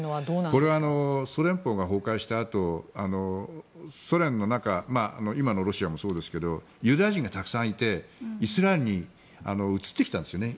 これはソ連邦が崩壊したあとソ連の中は今のロシアもそうですけどユダヤ人がたくさんいてイスラエルに移ってきたんですね。